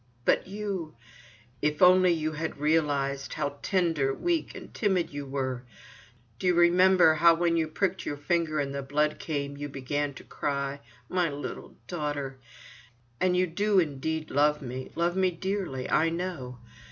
But you——. If only you had realized, how tender, weak and timid you were! Do you remember how when you pricked your finger and the blood came, you began to cry. My little daughter! And you do indeed love me, love me dearly, I know.